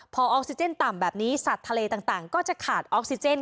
พอออกซิเจนต่ำแบบนี้สัตว์ทะเลต่างก็จะขาดออกซิเจน